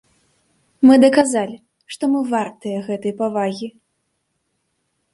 Мы даказалі, што мы вартыя гэтай павагі.